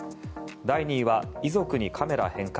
第２位は遺族にカメラ返還。